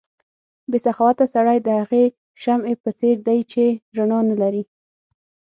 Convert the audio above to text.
بې سخاوته سړی د هغې شمعې په څېر دی چې رڼا نه لري.